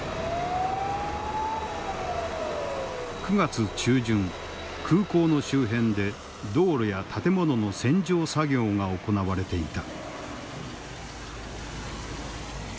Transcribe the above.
９月中旬空港の周辺で道路や建物の洗浄作業が行われていた。